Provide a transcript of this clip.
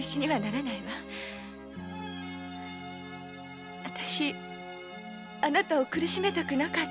わたしあなたを苦しめたくなかった。